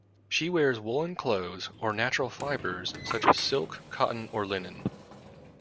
She wears woollen clothes or natural fibres such as silk, cotton or linen.